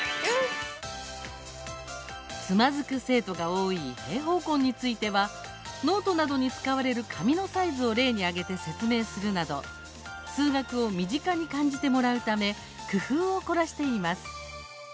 つまずく生徒が多い平方根についてはノートなどに使われる紙のサイズを例に挙げて説明するなど数学を身近に感じてもらうため工夫を凝らしています。